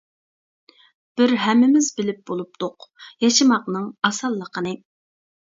بىر ھەممىمىز بىلىپ بولۇپتۇق، ياشىماقنىڭ ئاسانلىقىنى.